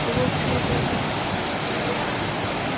অবশ্যই যাবো না!